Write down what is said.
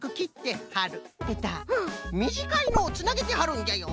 みじかいのをつなげてはるんじゃよ。